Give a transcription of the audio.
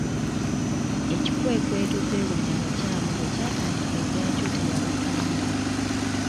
Ekikwekweto “Twewonye abakyamu” bwe kyatandika egyakyo teyalutonda.